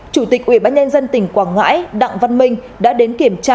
chủ tịch ủy ban nhân dân tỉnh quảng ngãi đặng văn minh đã đến kiểm tra